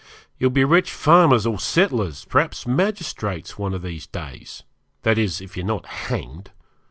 You'll be rich farmers or settlers, perhaps magistrates, one of these days that is, if you're not hanged.